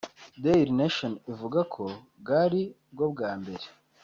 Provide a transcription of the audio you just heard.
Daily Nation ivuga ko bwari bwo mbere